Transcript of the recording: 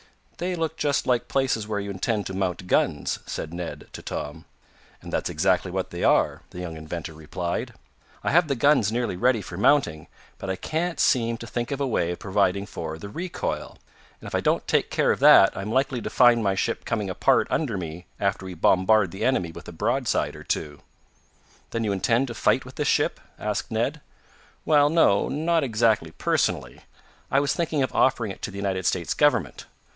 "They look just like places where you intend to mount guns," said Ned to Tom. "And that's exactly what they are," the young inventor replied. "I have the guns nearly ready for mounting, but I can't seem to think of a way of providing for the recoil. And if I don't take care of that, I'm likely to find my ship coming apart under me, after we bombard the enemy with a broadside or two." "Then you intend to fight with this ship?" asked Ned. "Well, no; not exactly personally. I was thinking of offering it to the United States Government.